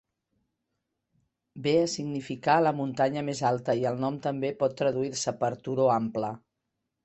Ve a significar "la muntanya més alta" i el nom també pot traduir-se per "turó ample".